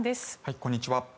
こんにちは。